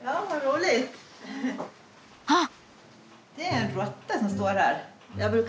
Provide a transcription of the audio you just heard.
あっ！